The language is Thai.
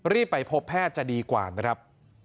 รีบไปพบแพทย์จะดีกว่านะครับ